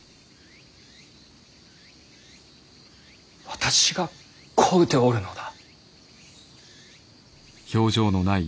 私が請うておるのだ。